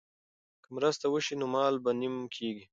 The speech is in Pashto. که مرسته وشي نو مال به نیم کیږي.